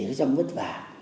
chỉ có trong vất vả